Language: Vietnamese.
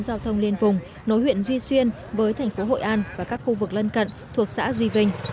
giao thông liên vùng nối huyện duy xuyên với thành phố hội an và các khu vực lân cận thuộc xã duy vinh